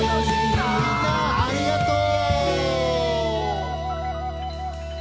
みんなありがとう！